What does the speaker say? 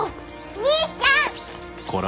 兄ちゃん！